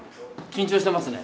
緊張してますね。